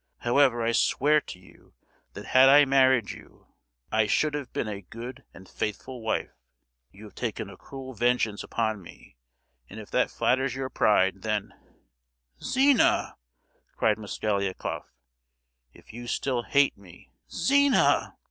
However, I swear to you that had I married you, I should have been a good and faithful wife! You have taken a cruel vengeance upon me, and if that flatters your pride, then——" "Zina!" cried Mosgliakoff. "If you still hate me——" "Zina!!"